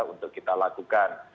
untuk kita lakukan